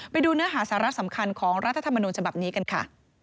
ไปดูเนื้อหาสาระสำคัญของรัฐธรรมนูญฉบับนี้กันค่ะ